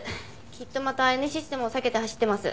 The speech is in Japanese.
きっとまたＮシステムを避けて走ってます。